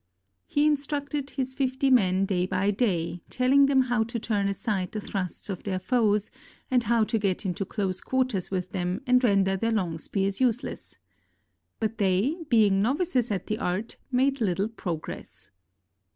He instructed his fifty men day by day, telling them how to turn aside the thrusts of their foes and how to get into close quarters with them and render their long spears useless. But they, being novices at the art, made little progress.